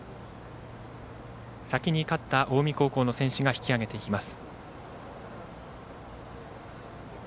先に、勝った近江高校の選手が引き上げていきます。